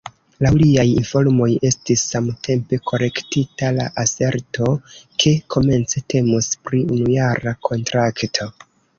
Laŭ liaj informoj estis samtempe korektita la aserto, ke komence temus pri unujara kontrakto.